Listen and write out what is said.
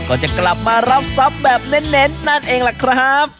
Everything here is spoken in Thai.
ก็จะกลับมารับทรัพย์แบบเน้นนั่นเองล่ะครับ